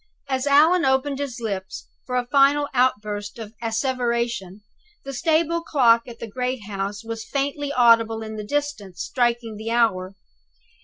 As Allan opened his lips for a final outburst of asseveration, the stable clock at the great house was faintly audible in the distance striking the hour.